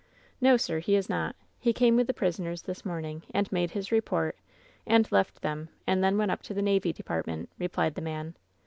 "No, sir; he is not. He came with the prisoners this morning and made his report, and left them, and then went up to the navy department," replied the man.